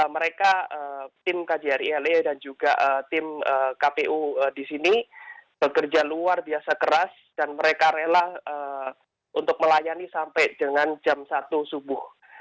mereka tim kjri le dan juga tim kpu di sini bekerja luar biasa keras dan mereka rela untuk melayani sampai dengan jam satu subuh